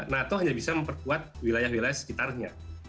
nato hanya bisa memperkuat wilayah wilayah sekitarnya